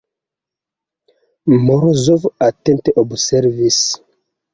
Morozov atente observis.